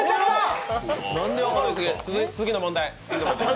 次の問題。